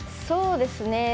そうですね。